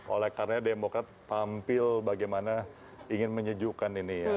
oleh karena demokrat tampil bagaimana ingin menyejukkan ini ya